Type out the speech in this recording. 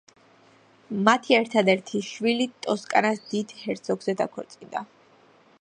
მათი ერთადერთი შვილი ტოსკანას დიდ ჰერცოგზე დაქორწინდა.